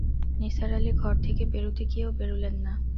নিসার আলি ঘর থেকে বেরুতে গিয়েও বেরুলেন না।